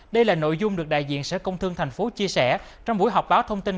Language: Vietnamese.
đây là nội dung được đại diện sở công thương thành phố chia sẻ trong buổi họp báo thông tin